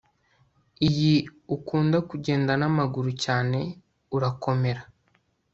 iyi ukunda kugenda namaguru cyane urakomera